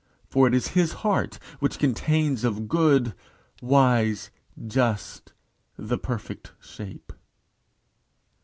For it is his heart which Contains of good, wise, just, the perfect shape.